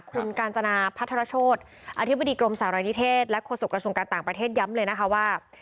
คุณกาญจนาพัทรโชธอธิบดีกรมสารณิเทศและโฆษกระทรวงการต่างประเทศย้ำเลยนะคะว่า